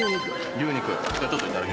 牛肉。